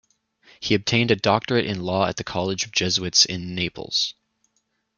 He obtained a doctorate in law at the College of Jesuits in Naples.